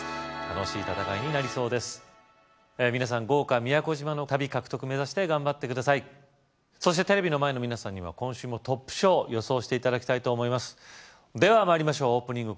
豪華宮古島の旅獲得目指して頑張って下さいそしてテレビの前の皆さんには今週もトップ賞を予想して頂きたいと思いますでは参りましょうオープニング